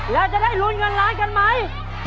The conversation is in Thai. แล้วจะได้ลุ้นเงินล้านกันไหม